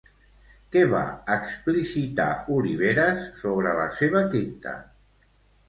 Què va explicitar, Oliveras, sobre la seva quinta?